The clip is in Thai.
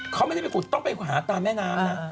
เขาไม่ได้ไปขุดต้องไปหาตามแม่น้ำนะ